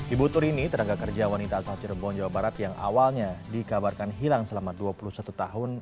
ibu turini tenaga kerja wanita asal cirebon jawa barat yang awalnya dikabarkan hilang selama dua puluh satu tahun